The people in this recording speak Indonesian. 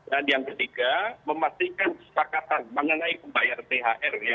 dan yang ketiga memastikan kesepakatan mengenai pembayaran thr ya